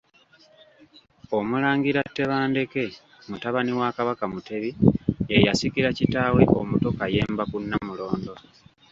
OMULANGIRA Tebandeke mutabani wa Kabaka Mutebi, ye yasikira kitaawe omuto Kayemba ku Nnamulondo.